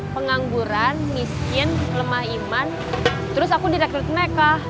pengangguran miskin lemah iman terus aku direktur keneka